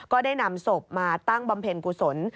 ก็ได้นำศพมาตั้งบำเพ็ญกุศล